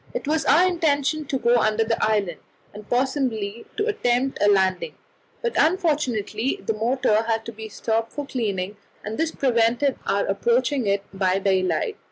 It was our intention to go close under the island, and possibly to attempt a landing; but unfortunately the motor had to be stopped for cleaning, and this prevented our approaching it by daylight.